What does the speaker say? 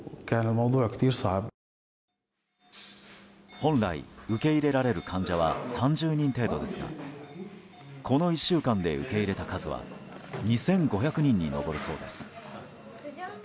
本来、受け入れられる患者は３０人程度ですがこの１週間で受け入れた数は２５００人に上るそうです。